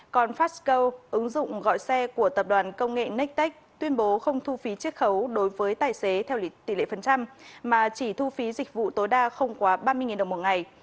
còn fastgo ứng dụng gọi xe của tập đoàn công nghệ nectec tuyên bố không thu phí chiết khấu đối với tài xế theo tỷ lệ phần trăm mà chỉ thu phí dịch vụ tối đa không quá ba mươi đồng một ngày